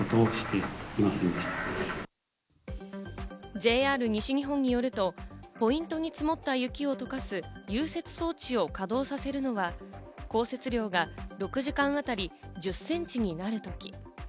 ＪＲ西日本によると、ポイントに積もった雪をとかす融雪装置を稼働させるのは降雪量が６時間あたり１０センチになるとき。